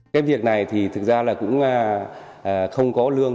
cái việc này thì thực ra là cũng không có lương